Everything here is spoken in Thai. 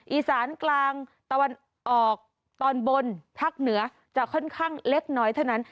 อีสานกลางตะวันออกตอนบนภาคเหนือจะค่อนข้างเล็กน้อยเท่านั้น